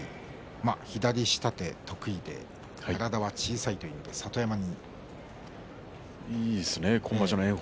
左下手得意で、体は小さいという里山に。